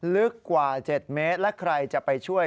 ลึกกว่า๗เมตรและใครจะไปช่วย